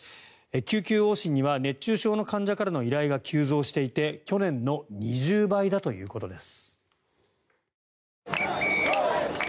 救急往診には熱中症の患者からの依頼が急増していて去年の２０倍だということです。